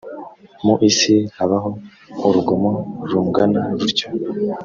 mu isi habaho urugomo rungana rutyo